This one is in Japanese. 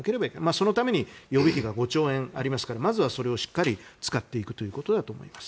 そのためにも予備費が５兆円ありますからまずはそれをしっかり使っていくということだと思います。